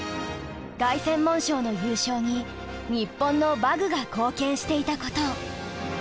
凱旋門賞の優勝に日本の馬具が貢献していたことを。